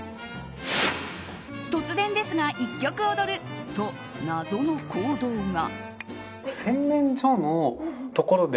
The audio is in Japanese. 突然ですが、一曲踊ると謎の行動が。